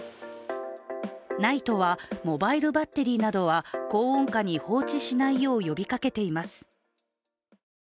ＮＩＴＥはモバイルバッテリーなどは高温下に放置しないよう呼びかけています。